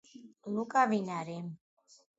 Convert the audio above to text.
ლუკა ვინარი